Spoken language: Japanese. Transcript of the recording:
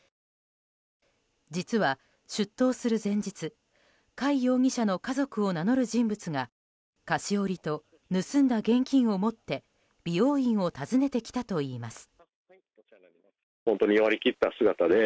実は出頭する前日貝容疑者の家族を名乗る人物が菓子折りと盗んだ現金を持って美容院を訪ねてきたといいます。